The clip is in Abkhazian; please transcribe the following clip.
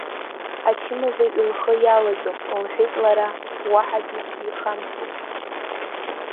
Ачымазаҩ лхы иалаӡом, — лҳәеит лара, уаҳагьы дихамҳәит.